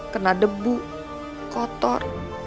kena debu kotor